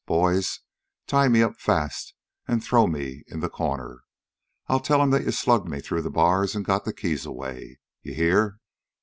Boys, tie me up fast and throw me in the corner. I'll tell 'em that you slugged me through the bars and got the keys away. You hear?"